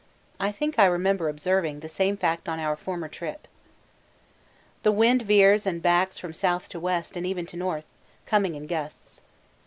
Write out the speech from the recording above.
I think I remember observing the same fact on our former trip. The wind veers and backs from S. to W. and even to N., coming in gusts.